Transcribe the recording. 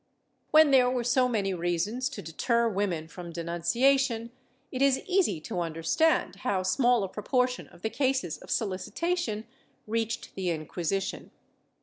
^ When there were so many reasons to deter women from denunciation, it is easy to understand how small a proportion of the cases of solicitation reached the Inquisition.